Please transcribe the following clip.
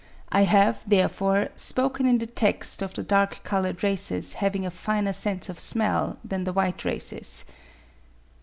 I have, therefore, spoken in the text of the dark coloured races having a finer sense of smell than the white races.